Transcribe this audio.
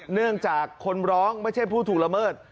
เนื่องจากคนร้องไม่ใช่ผู้ถูกละเมิด